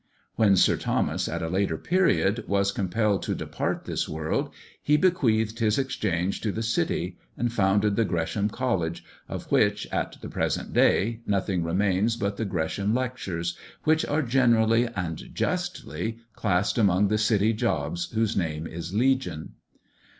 When Sir Thomas, at a later period, was compelled to depart this world, he bequeathed his Exchange to the City, and founded the Gresham College, of which, at the present day, nothing remains but the Gresham Lectures, which are generally, and justly, classed among the city jobs, whose name is Legion.